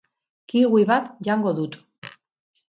Kiwi bat jango dut.